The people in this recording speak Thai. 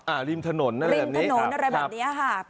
อ่าริมถนนอะไรแบบนี้ครับ